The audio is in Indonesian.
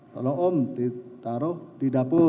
tolong om taruh di dapur